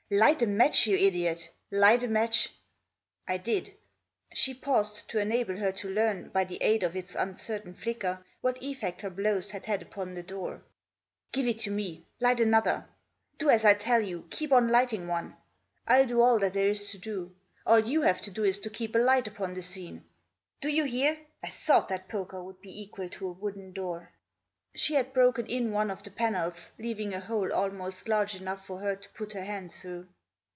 " Light a match, you idiot I light a match !" I did. She paused to enable her to learn, by the aid of its uncertain flicker, what effect her blows had had upon the door. " Give it to me. Light another I Do as I tell you, keep on lighting one. Til do all that there is to do ; all you have to do is to keep a light upon the scene. Do you hear ?— I thought that poker would be equal to a wooden door." She had broken in one of the panels, leaving a hole almost large enough for her to put her hand through.